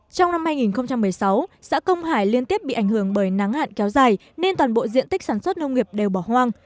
trong năm hai nghìn một mươi sáu xã công hải liên tiếp bị ảnh hưởng bởi nắng hạn kéo dài nên toàn bộ diện tích sản xuất nông nghiệp đều bỏ hoang